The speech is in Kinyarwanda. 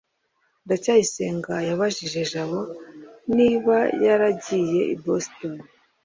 ndacyayisenga yabajije jabo niba yaragiye i boston